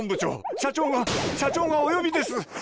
社長が社長がお呼びです！